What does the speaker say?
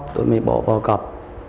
tôi mới bỏ vào cặp